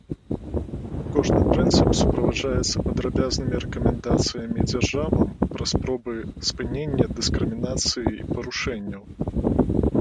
Кожны прынцып суправаджаецца падрабязнымі рэкамендацыямі дзяржавам пра спосабы спынення дыскрымінацыі і парушэнняў.